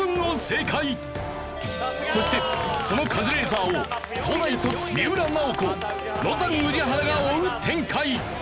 そしてそのカズレーザーを東大卒三浦奈保子ロザン宇治原が追う展開！